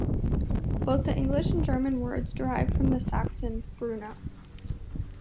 Both the English and German words derive from the Saxon "brunna".